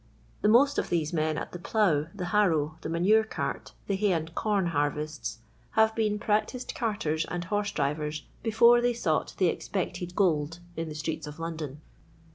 The most of these men at the plough, the harrow, the manure c .irt, the hay and corn harvests, have been practised carters and horse drivers before they sought the expected gold iu the streets of London.